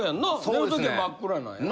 寝る時は真っ暗なんやな？